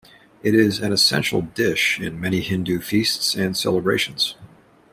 It is an essential dish in many Hindu feasts and celebrations.